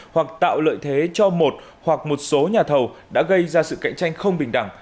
hoặc tạo lợi thế cho một hoặc một số nhà thầu đã gây ra sự cạnh tranh không bình đẳng